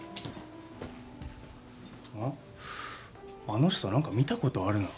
あの人何か見たことあるな。